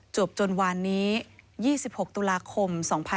จนวานนี้๒๖ตุลาคม๒๕๖๒